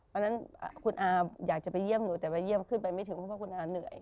วันนั้นคุณอาอยากจะไปเยี่ยมหนูแต่ไปเยี่ยมขึ้นไปไม่ถึงเพราะว่าคุณอาเหนื่อย